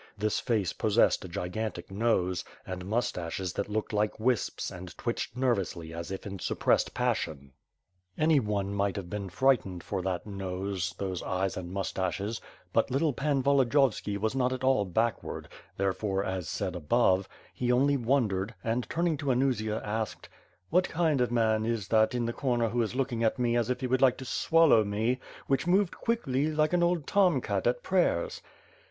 This face possessed a gigantic nose, and moustaches that looked like wisps and twitched nervously as if in suppressed passion. 528 WITH FIRE AND SWORD. Any one might have been frightened for that nose^ those eyes and moustaches^ but httle Pan Volodiyovski was not at all backward^ therefore^ as said above, he only wondered, and turning to Anusia, asked: ^^'hat kind of man is that in the comer who is looking at me as if he would like to swallow me, • which moved quickly, like an old Tom cat at prayers